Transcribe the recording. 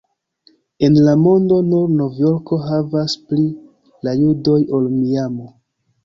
En la mondo, nur Novjorko havas pli da judoj ol Miamo.